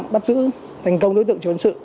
bắt giữ thành công đối tượng triệu quân sự